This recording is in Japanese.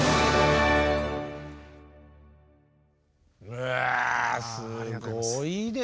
うわすごいですね。